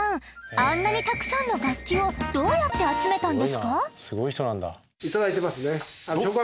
あんなにたくさんの楽器をどうやって集めたんですか？